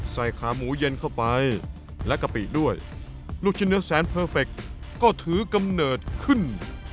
ขาหมูเย็นเข้าไปและกะปิด้วยลูกชิ้นเนื้อแสนเพอร์เฟคก็ถือกำเนิดขึ้น